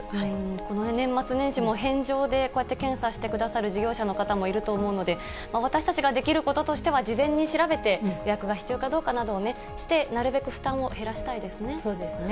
この年末年始も返上で、こうやって対応してくださる事業者の方もいると思うので、私たちができることとしては、事前に調べて、予約が必要かどうかなどを確認して、なるべく負担を減らしたいでそうですね。